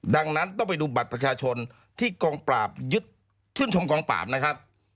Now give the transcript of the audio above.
ดังนั้นต้องไปดูบัตรประชาชนที่กองปราบยึดชื่นชมกองปราบนะครับ